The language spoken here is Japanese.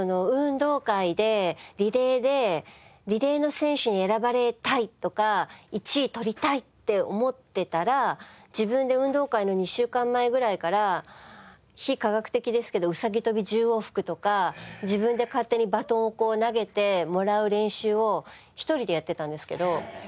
運動会でリレーでリレーの選手に選ばれたいとか１位取りたいって思ってたら自分で運動会の２週間前ぐらいから非科学的ですけどウサギ跳び１０往復とか自分で勝手にバトンをこう投げてもらう練習を一人でやってたんですけど。